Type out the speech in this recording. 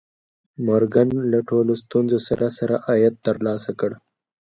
مورګان له ټولو ستونزو سره سره عاید ترلاسه کړ